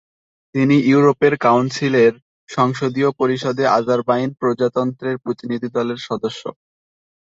তিনি ইউরোপের কাউন্সিলের সংসদীয় পরিষদে আজারবাইজান প্রজাতন্ত্রের প্রতিনিধি দলের সদস্য।